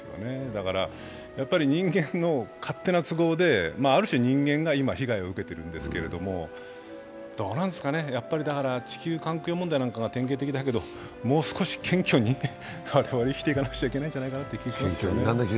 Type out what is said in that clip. だから、人間の勝手な都合である種、人間が今、被害を受けているんですけど、どうなんですかね、地球環境問題なんかが典型的だけど、もう少し謙虚に生きていかなきゃいけないかな。